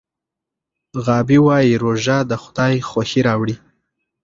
غابي وایي روژه د خدای خوښي راوړي.